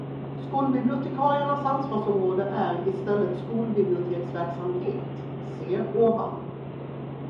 Skolbibliotekariernas ansvarsområde är i stället skolbiblioteksverksamhet, se ovan.